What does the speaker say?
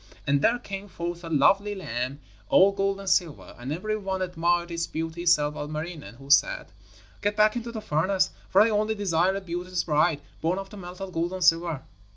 And there came forth a lovely lamb all gold and silver, and every one admired its beauty save Ilmarinen, who said: 'Get back into the furnace, for I only desire a beauteous bride, born of the melted gold and silver.'